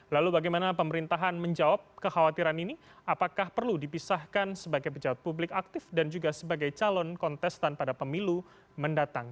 lalu bagaimana pemerintahan menjawab kekhawatiran ini apakah perlu dipisahkan sebagai pejabat publik aktif dan juga sebagai calon kontestan pada pemilu mendatang